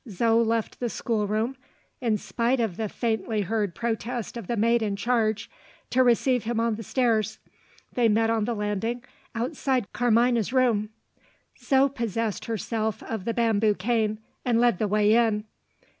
Zo left the schoolroom (in spite of the faintly heard protest of the maid in charge) to receive him on the stairs. They met on the landing, outside Carmina's room. Zo possessed herself of the bamboo cane, and led the way in.